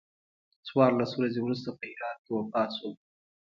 څوارلس ورځې وروسته په هرات کې وفات شو.